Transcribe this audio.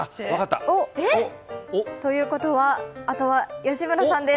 ということは、あとは吉村さんです。